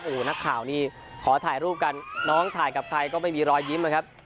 โอ้โหนักข่าวนี่ขอถ่ายรูปกันน้องถ่ายกับใครก็ไม่มีรอยยิ้มนะครับ